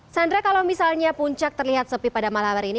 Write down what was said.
sandra kalau misalnya puncak terlihat sepi pada malam hari ini